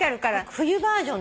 冬バージョンだ。